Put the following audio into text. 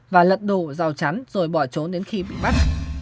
và lật đổ rào chắn rồi bỏ trốn đến khi bị bắt